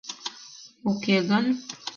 Уке гын?